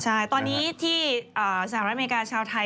ใช่ตอนนี้ที่สหรัฐอเมริกาชาวไทย